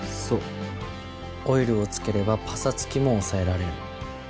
そうオイルをつければパサつきも抑えられる。